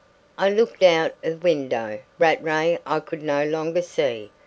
I looked out of window. Rattray I could no longer see.